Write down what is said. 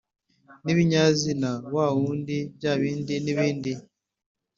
n ibinyazina wa wundi, bya bindi nibindi